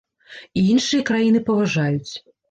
І іншыя краіны паважаюць.